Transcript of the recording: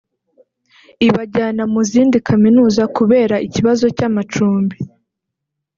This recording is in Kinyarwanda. ibajyana mu zindi kaminuza kubera ikibazo cy’amacumbi